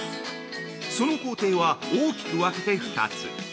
その工程は大きく分けて２つ。